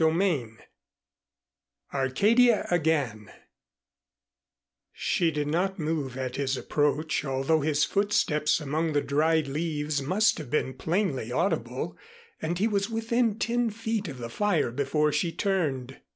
XXIX ARCADIA AGAIN She did not move at his approach, although his footsteps among the dried leaves must have been plainly audible, and he was within ten feet of the fire before she turned.